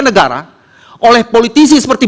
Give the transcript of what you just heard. negara oleh politisi seperti